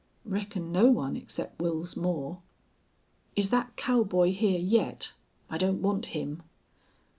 "Reckon no one, except Wils Moore." "Is that cowboy here yet? I don't want him."